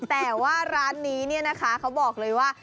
แต่ว่าร้านนี้เนี่ยนะคะเขาบอกเลยว่า